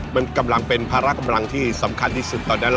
มันกำลังเป็นพาระกำลังที่สำคัญที่สุด